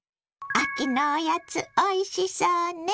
秋のおやつおいしそうね。